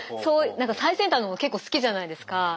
何か最先端のもの結構好きじゃないですか。